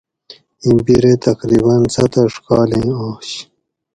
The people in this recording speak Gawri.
ایں بیرے تقریباۤ ست اڄ کالیں آش